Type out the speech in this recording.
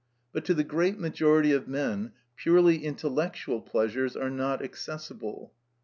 But to the great majority of men purely intellectual pleasures are not accessible.